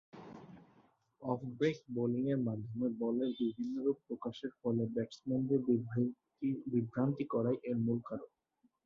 Of break বোলিংয়ের মাধ্যমে বলের বিভিন্ন রূপ প্রকাশের ফলে ব্যাটসম্যানদেরকে বিভ্রান্তি করাই এর মূল কারণ।